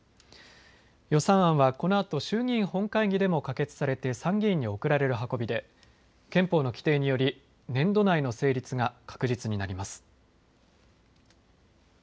予算案はこのあと衆議院本会議でも可決されて参議院に送られる運びで憲法の規定により年度内の成立が確実になります。